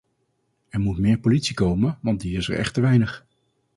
Er moet meer politie komen, want die is er echt te weinig.